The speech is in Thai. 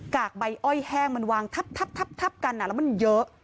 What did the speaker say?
กากใบอ้อยแห้งมันวางทับกันแล้วมันเยอะ